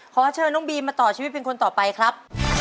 ขอเชิญน้องบีมมาต่อชีวิตเป็นคนต่อไปครับ